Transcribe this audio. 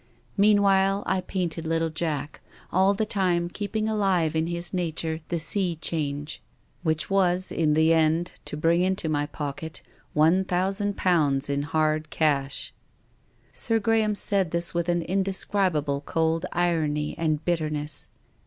Mean while I painted little Jack, all the time keeping alive in his nature the sea change, which was, in 36 TONGUES OF CONSCIENCE. the end, to bring into my pocket ;^ 1,000 in hard cash." Sir Graham said this with an indescribable cold irony and bitterness.